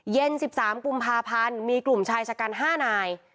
เย็น๑๓กุมภาพันธ์มีกลุ่มชายชะกัน๕นาย